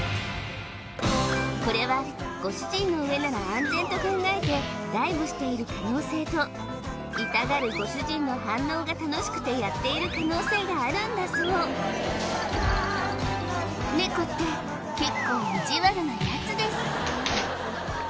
これはご主人の上なら安全と考えてダイブしている可能性と痛がるご主人の反応が楽しくてやっている可能性があるんだそうネコって結構イジワルな奴です